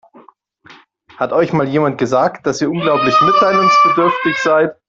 Hat euch mal jemand gesagt, dass ihr unglaublich mitteilungsbedürftig seid?